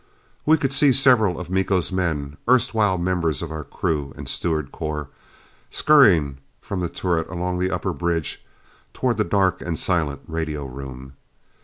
We could see several of Miko's men erstwhile members of our crew and steward corps scurrying from the turret along the upper bridge toward the dark and silent radio room.